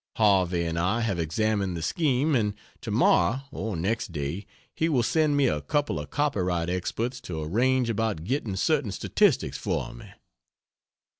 Harvey and I have examined the scheme, and to morrow or next day he will send me a couple of copyright experts to arrange about getting certain statistics for me.